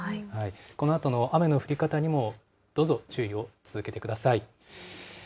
このあとの雨の降り方にもどうぞ注意を続けてください。